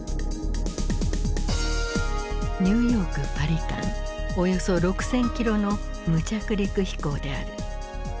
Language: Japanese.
ニューヨーク・パリ間およそ６，０００キロの無着陸飛行である。